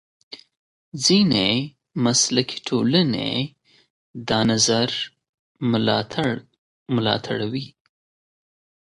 ځینې مسلکي ټولنې دا نظر ملاتړوي.